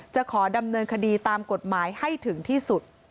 จะขอดำเนินคดีตามกฎหมายให้ถึงที่สุด